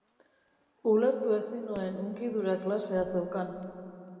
Ulertu ezin nuen hunkidura klasea zeukan.